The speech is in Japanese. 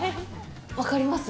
分かります？